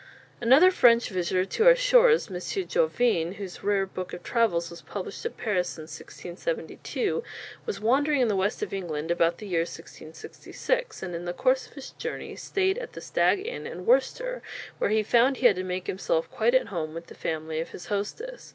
Another French visitor to our shores, M. Jorevin, whose rare book of travels was published at Paris in 1672, was wandering in the west of England about the year 1666, and in the course of his journey stayed at the Stag Inn at Worcester, where he found he had to make himself quite at home with the family of his hostess.